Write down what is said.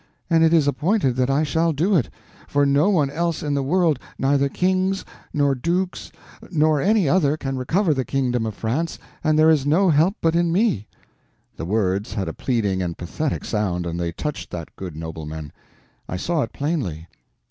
And it is appointed that I shall do it. For no one else in the world, neither kings, nor dukes, no any other, can recover the kingdom of France, and there is no help but in me." The words had a pleading and pathetic sound, and they touched that good nobleman. I saw it plainly.